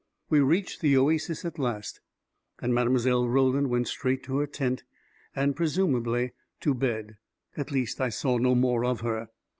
We reached the oasis at last, and Mile. Roland went straight to her tent, and presumably to bed. At least, I saw no more of her.